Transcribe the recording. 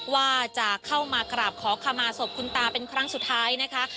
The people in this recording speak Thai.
ว่าจะเข้ามากราบขอขมาศพคุณตาเป็นครั้งสุดท้ายนะคะ